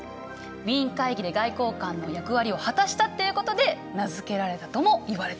ウィーン会議で外交官の役割を果たしたっていうことで名付けられたともいわれてる。